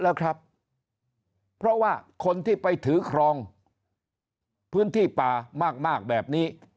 แล้วครับเพราะว่าคนที่ไปถือครองพื้นที่ป่ามากแบบนี้